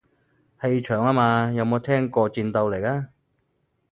氣場吖嘛，有冇聽過戰鬥力啊